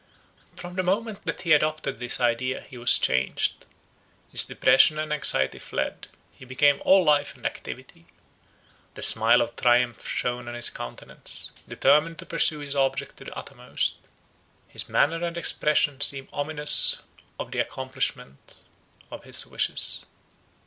From the moment that he adopted this idea, he was changed. His depression and anxiety fled; he became all life and activity. The smile of triumph shone on his countenance; determined to pursue his object to the uttermost, his manner and expression seem ominous of the accomplishment of his wishes.